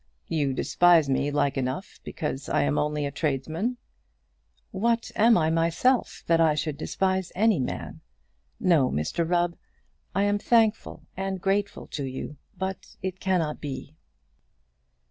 "You despise me, like enough, because I am only a tradesman?" "What am I myself, that I should despise any man? No, Mr Rubb, I am thankful and grateful to you; but it cannot be."